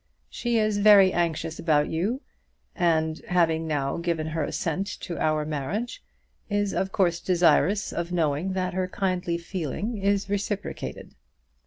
She is very anxious about you, and, having now given her assent to our marriage, is of course desirous of knowing that her kindly feeling is reciprocated.